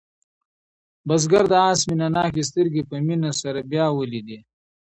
بزګر د آس مینه ناکې سترګې په مینه سره بیا ولیدلې.